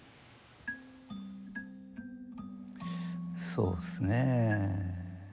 そうですね。